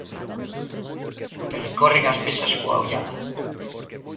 Percorren as mesas coa ollada.